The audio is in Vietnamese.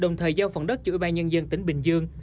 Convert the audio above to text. đồng thời giao phòng đất cho ủy ban nhân dân tỉnh bình dương